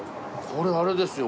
これあれですよ。